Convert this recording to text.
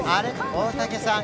大竹さん